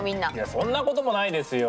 そんなこともないですよ。